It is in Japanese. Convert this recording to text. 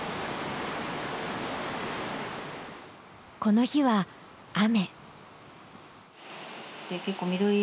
この日は雨。